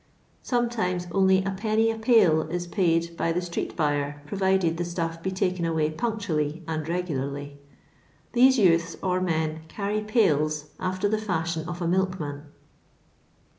Sometimes only Id. a pail is paid by the street buyer, provided the stuff be taken away punctually and rwularly. These youths or men carry paiU after the fiuldon of a milkman.